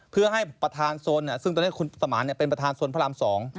เพื่อให้ประธานโซนซึ่งตอนนี้คุณสมานเป็นประธานโซนพระราม๒